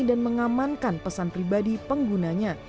dan mengamankan pesan pribadi penggunanya